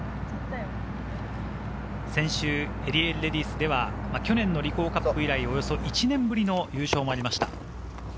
先週、エリエールレディスでは去年のリコーカップ以来、１年ぶりの優勝がありました。